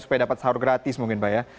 supaya dapat sahur gratis mungkin pak ya